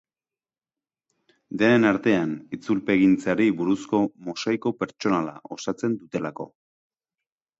Denen artean itzulpegintzari buruzko mosaiko pertsonala osatzen dutelako.